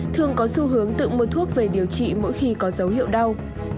thường có xu hướng tự mua thuốc về điều trị mỗi khi có dấu hiệu đau